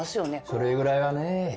それぐらいはね。